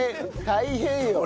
大変よ。